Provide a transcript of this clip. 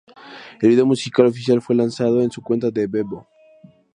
El vídeo musical oficial fue lanzado en su cuenta de Vevo.